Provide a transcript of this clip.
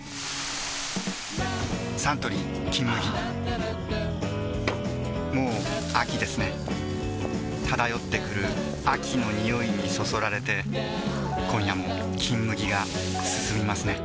サントリー「金麦」もう秋ですね漂ってくる秋の匂いにそそられて今夜も「金麦」がすすみますね